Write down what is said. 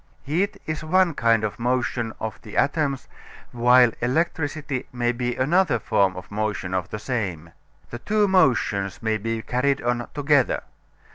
Heat is one kind of motion of the atoms, while electricity may be another form of motion of the same. The two motions may be carried on together.